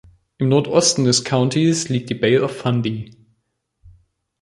Im Nordosten des Countys liegt die Bay of Fundy.